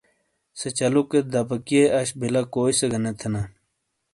سے چلوکے دبہ کیئے اش بیلہ کوئی سے گہ نے تھینا ۔